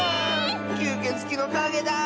きゅうけつきのかげだ。